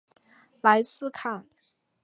莱斯坎。